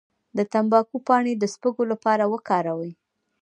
د تمباکو پاڼې د سپږو لپاره وکاروئ